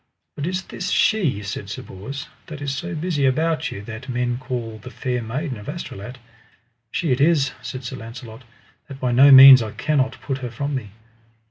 But is this she, said Sir Bors, that is so busy about you, that men call the Fair Maiden of Astolat? She it is, said Sir Launcelot, that by no means I cannot put her from me.